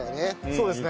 そうですね。